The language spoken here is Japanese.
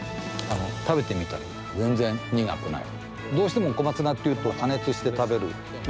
食べてみたら全然苦くない。